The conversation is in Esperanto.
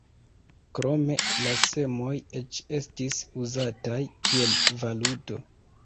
Krome la semoj eĉ estis uzataj kiel valuto.